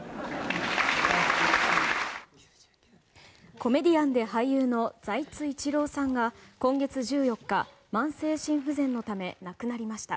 コメディアンで俳優の財津一郎さんが今月１４日慢性心不全のため亡くなりました。